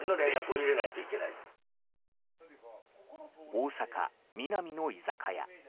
大阪・ミナミの居酒屋。